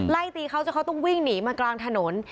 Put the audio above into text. ไล่ตีเขาจนเขาต้องวิ่งหนีมากลางถนน